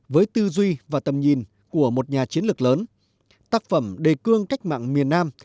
với tư duy và tầm nhìn của một nhà chiến lược lớn tác phẩm đề cương cách mạng miền nam